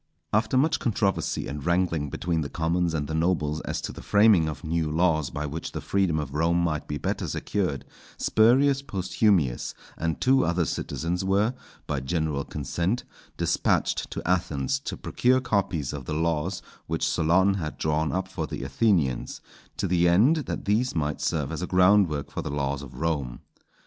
After much controversy and wrangling between the commons and the nobles as to the framing of new laws by which the freedom of Rome might be better secured, Spurius Posthumius and two other citizens were, by general consent, despatched to Athens to procure copies of the laws which Solon had drawn up for the Athenians, to the end that these might serve as a groundwork for the laws of Rome.